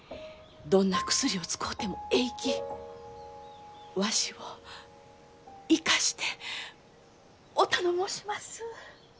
どんな薬を使うてもえいきわしを生かしてお頼申します！